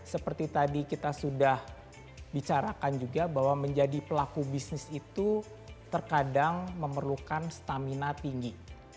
seperti tadi kita sudah bicarakan juga bahwa menjadi pelaku bisnis itu terkadang memerlukan stamina tinggi